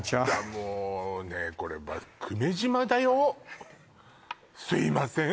もうねえこれ久米島だよすいません